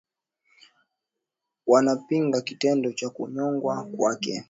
Wanapinga kitendo cha kunyongwa kwake